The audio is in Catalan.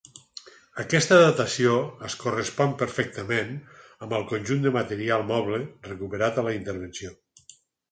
Aquesta datació es correspon perfectament amb el conjunt de material moble recuperat a la intervenció.